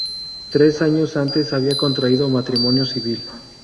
Tres años antes habían contraído matrimonio civil.